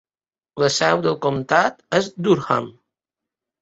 La seu del comtat és Durham.